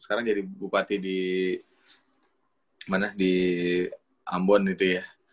sekarang jadi bupati di ambon itu ya